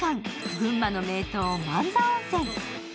群馬の名湯・万座温泉。